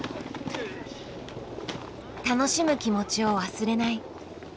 「楽しむ気持ちを忘れない」。